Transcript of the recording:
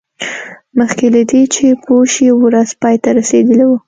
مخکې له دې چې پوه شي ورځ پای ته رسیدلې وه